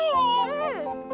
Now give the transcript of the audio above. うん！